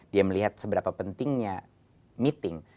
dia melihat seberapa pentingnya meeting